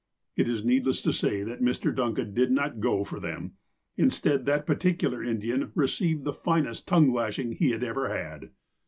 It is needless to say that Mr. Duncan did not go for them. Instead, that particular Indian received the finest tongue lashing he had ever had.